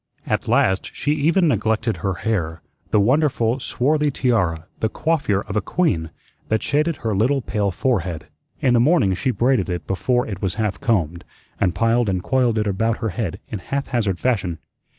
At last she even neglected her hair, the wonderful swarthy tiara, the coiffure of a queen, that shaded her little pale forehead. In the morning she braided it before it was half combed, and piled and coiled it about her head in haphazard fashion.